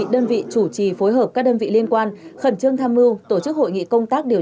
đơn vị chủ trì phối hợp các đơn vị liên quan khẩn trương tham mưu tổ chức hội nghị công tác điều